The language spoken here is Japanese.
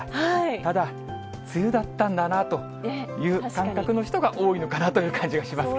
ただ、梅雨だったんだなという感覚の人が多いのかなという感じがします